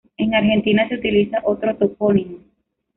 En Argentina se utiliza otro topónimo.